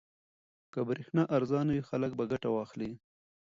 که برېښنا ارزانه وي خلک به ګټه واخلي.